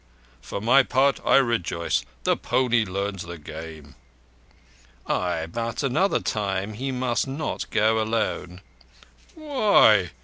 For my part, I rejoice. The pony learns the game." "Ay, but another time he must not go alone." "Why?